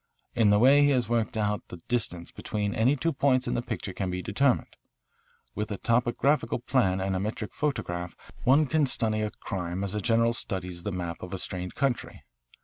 In the way he has worked it out the distance between any two points in the picture can be determined. With a topographical plan and a metric photograph one can study a crime as a general studies the map of a strange country.